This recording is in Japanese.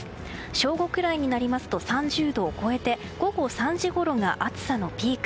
正午くらいになりますと３０度を超えて午後３時ごろが暑さのピーク。